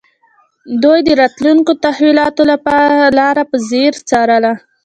دوی د راتلونکو تحولاتو لاره په ځیر څارله